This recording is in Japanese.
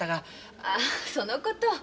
ああそのこと？